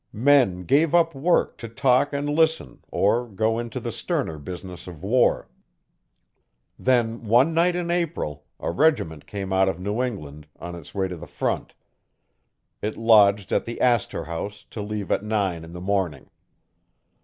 Men gave up work to talk and listen or go into the sterner business of war. Then one night in April, a regiment came out of New England, on its way to the front. It lodged at the Astor House to leave at nine in the morning.